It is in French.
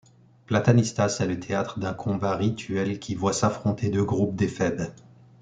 Platanistas est le théâtre d'un combat rituel qui voit s'affronter deux groupes d'éphèbes.